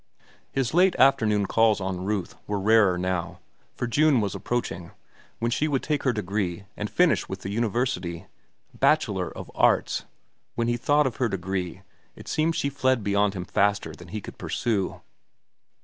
His late afternoon calls on Ruth were rarer now, for June was approaching, when she would take her degree and finish with the university. Bachelor of Arts!—when he thought of her degree, it seemed she fled beyond him faster than he could pursue.